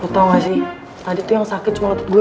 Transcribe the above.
lu tau gak sih tadi tuh yang sakit cuma letut gue